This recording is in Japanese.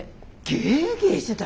げーげーしてた。